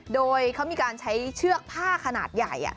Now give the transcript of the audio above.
โดยเขามีการใช้เชือกผ้าขนาดใหญ่